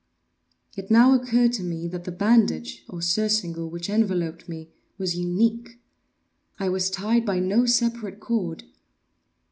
It now occurred to me that the bandage, or surcingle, which enveloped me, was unique. I was tied by no separate cord.